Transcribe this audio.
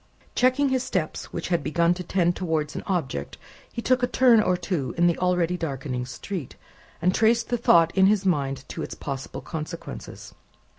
Checking his steps which had begun to tend towards an object, he took a turn or two in the already darkening street, and traced the thought in his mind to its possible consequences.